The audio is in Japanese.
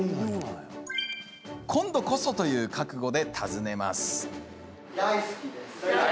今度こそという覚悟で訪ねます。